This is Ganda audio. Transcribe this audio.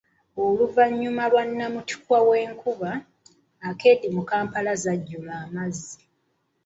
Oluvannyuma lwa namuttikwa w'enkuba, akeedi mu kampala zajjula amazzi.